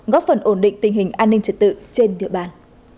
góp phần ổn định tình hình an ninh trật tự trên địa bàn